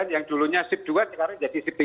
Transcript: yang dulunya sip dua sekarang jadi sip tiga